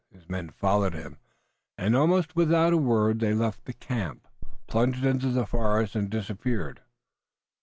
His men followed him, and, almost without a word, they left the camp, plunged into the forest and disappeared.